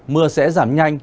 mưa sẽ giảm nhanh